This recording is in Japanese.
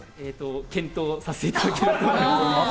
検討させていただきたいと思います。